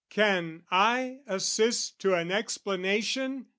Can I assist to an explanation?